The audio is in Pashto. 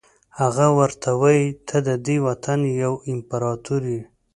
هغه ورته وایي ته ددې وطن یو امپراتور یې.